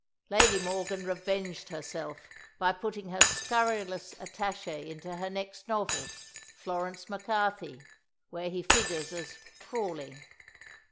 Lady Morgan revenged herself by putting her scurrilous attaché into her next novel, "Florence Macarthy," where he figures as Crawley.